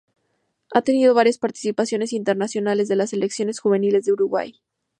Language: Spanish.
Ha tenido varias participaciones internacionales en las selecciones juveniles de Uruguay.